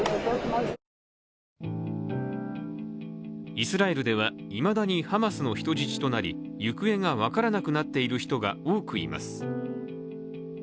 イスラエルでは、いまだにハマスの人質となり行方が分からなくなっている人が多くいます。